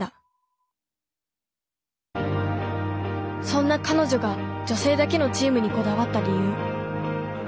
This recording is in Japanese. そんな彼女が女性だけのチームにこだわった理由。